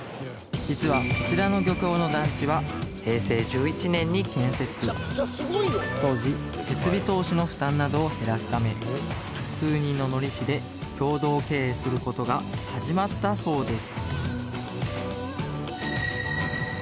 実はこちらの漁協の団地は当時設備投資の負担などを減らすため数人の海苔師で共同経営することが始まったそうです